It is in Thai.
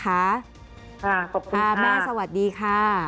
ขอบคุณค่ะแม่สวัสดีค่ะ